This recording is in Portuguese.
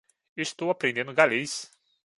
Estou aprendendo galês.